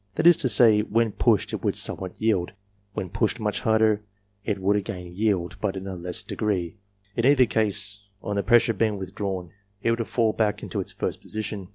That is to say, when pushed it would some what yield, when pushed much harder it would again yield, but in a less degree ; in either case, on the pressure being withdrawn it would fall back into its first position.